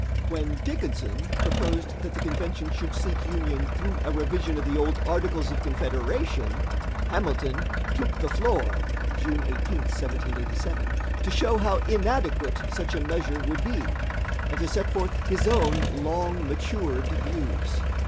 When Dickinson proposed that the convention should seek union through a revision of the old Articles of Confederation, Hamilton took the floor (June 18, 1787) to show how inadequate such a measure would be, and to set forth his own long matured views.